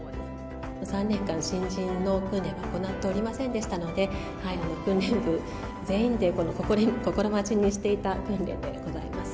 ３年間、新人の訓練は行っておりませんでしたので、訓練部全員で心待ちにしていた訓練でございます。